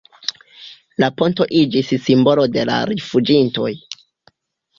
La ponto iĝis simbolo de la rifuĝintoj.